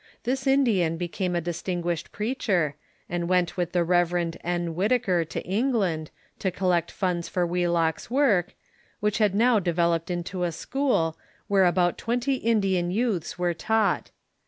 This Indian became a distinguished preacher, and went with the Rev. N. Whitaker to England, to collect funds for "Wheelock's work, which had now developed into a school, 476 THE CHURCH IN THE UNITED STATES where about twenty Indian youths were taught.